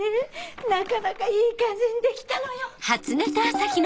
なかなかいい感じにできたのよ！